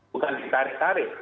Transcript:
bukan di tarik tarik